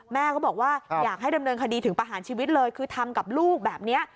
แม่ก็บอกว่าอยากให้ดำเนินคดีถึงประหารชีวิตเลยคือทำกับลูกแบบนี้